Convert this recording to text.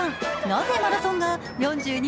なぜマラソンが、４２．１９５